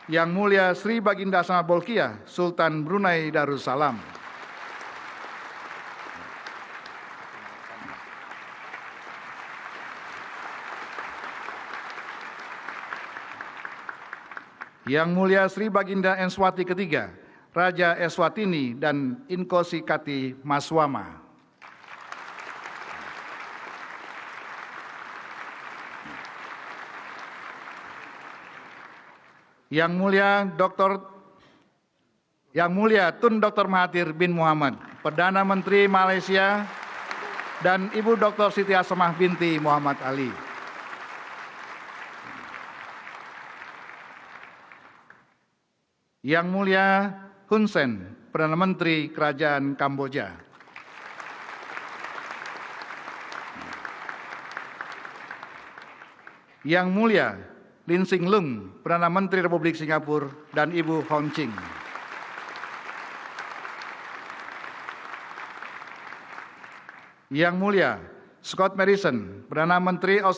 yang mulia suwarto mustaja utusan khusus presiden republik suriname